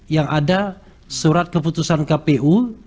yang ada surat keputusan kpu